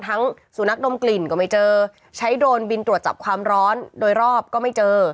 สุนัขดมกลิ่นก็ไม่เจอใช้โดรนบินตรวจจับความร้อนโดยรอบก็ไม่เจอ